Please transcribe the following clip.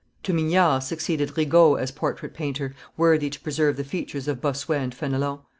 To Mignard succeeded Rigaud as portrait painter, worthy to preserve the features of Bossuet and Fenelon.